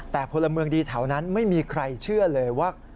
แต่พลเมืองดีแถวนั้นไม่มีใครเชื่อเลยว่า